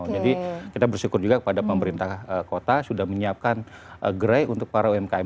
jadi kita bersyukur juga kepada pemerintah kota sudah menyiapkan grey untuk para umkm